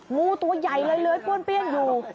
งูตัวใหญ่เร็วป้วนเปรี้ยนอยู่